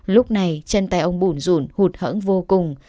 lúc này chân tay ông bùn rùn hụt hẫn vô cùng